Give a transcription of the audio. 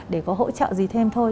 để có hỗ trợ gì thêm thôi